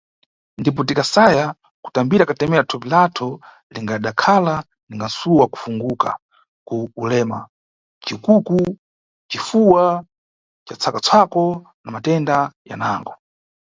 Ndipo, tikasaya kutambira katemera, thupi lathu lingadakhala ningati msuwo wa kufunguka ku ulema, cikuku, cifuwa ca tsako-tsako na matenda yanango.